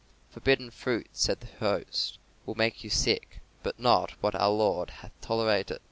"Forbidden fruit," said the host, "will make you sick, but not what our Lord hath tolerated."